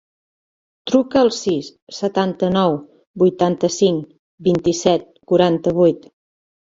Truca al sis, setanta-nou, vuitanta-cinc, vint-i-set, quaranta-vuit.